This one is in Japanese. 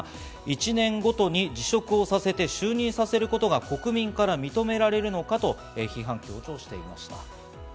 １年ごとに辞職をさせて、就任させることが国民から認められるのかと批判、強調していました。